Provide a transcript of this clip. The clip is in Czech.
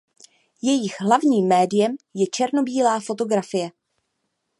Jejich hlavním médiem je černobílá fotografie.